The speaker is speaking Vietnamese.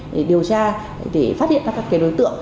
để điều tra để phát hiện các đối tượng